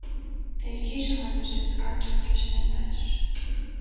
The education languages are Turkish and English.